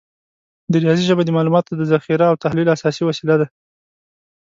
د ریاضي ژبه د معلوماتو د ذخیره او تحلیل اساسي وسیله ده.